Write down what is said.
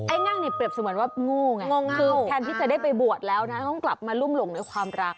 งั่งนี่เปรียบเสมือนว่าโง่ไงคือแทนที่จะได้ไปบวชแล้วนะต้องกลับมารุ่มหลงในความรัก